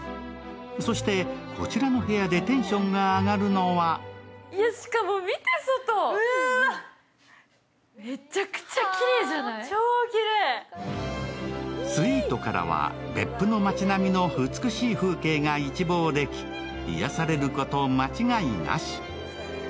そして、こちらの部屋でテンションが上がるのがスイートからは別府の町並みの美しい風景が一望でき癒されること間違いなし。